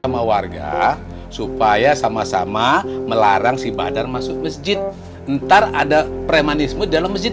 sama warga supaya sama sama melarang si badar masuk masjid ntar ada premanisme dalam masjid